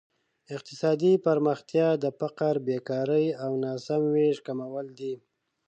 اقتصادي پرمختیا د فقر، بېکارۍ او ناسم ویش کمول دي.